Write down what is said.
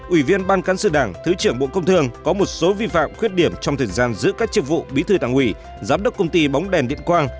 ủy viên ban cán sự đảng thứ trưởng bộ công thương có một số vi phạm khuyết điểm trong thời gian giữ các chức vụ bí thư đảng ủy giám đốc công ty bóng đèn điện quang